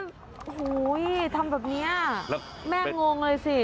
โอ้โหทำแบบนี้แม่งงเลยสิ